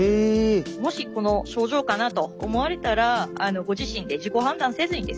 もしこの症状かなと思われたらご自身で自己判断せずにですね